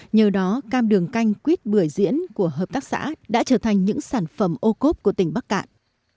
nhờ đó cam đường canh quýt bưởi diễn của hợp tác xã đã trở thành những sản phẩm ô cốp của tỉnh bắc cạn